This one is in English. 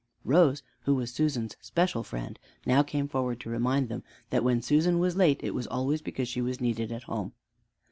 Rose, who was Susan's special friend, now came forward to remind them that when Susan was late it was always because she was needed at home.